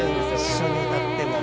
一緒に歌っても。